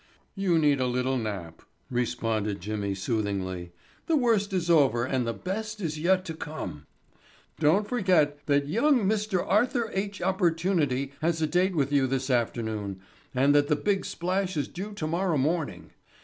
"You need a little nap," responded Jimmy soothingly. "The worst is over and the best is yet to come. Don't forget that young Mr. Arthur H. Opportunity has a date with you this afternoon, and that the big splash is due tomorrow morning.